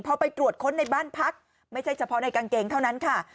พอไปตรวจค้นในบ้านพักไม่ใช่เฉพาะในกางเกงเท่านั้นค่ะ